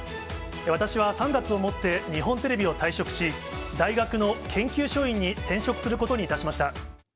私は３月をもって日本テレビを退職し、大学の研究所員に転職することにいたしました。